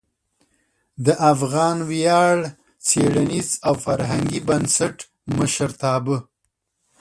د افغان ویاړ څیړنیز او فرهنګي بنسټ مشرتابه